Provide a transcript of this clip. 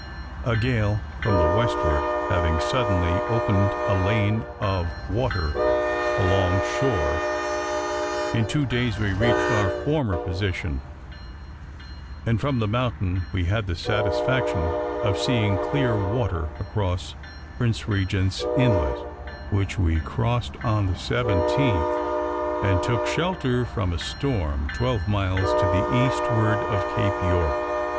A gale from the westward having suddenly opened a lane of water along shore, in two days we reached our former position, and from the mountain we had the satisfaction of seeing clear water across Prince Regent's Inlet, which we crossed on the 17th, and took shelter from a storm twelve miles to the eastward of Cape York.